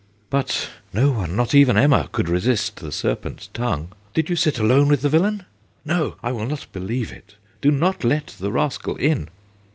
... But no one, not even Emma, could resist the serpent's tongue. ... Did you sit alone with the villain ? No ! I will not believe it. Do not let the rascal in.'